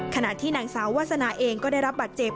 ขณะที่นางสาววาสนาเองก็ได้รับบาดเจ็บ